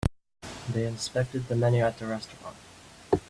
They inspected the menu at the restaurant.